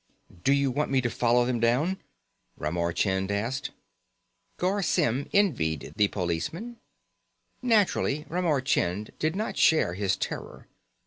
"Do you want me to follow them down?" Ramar Chind asked. Garr Symm envied the policeman. Naturally, Ramar Chind did not share his terror.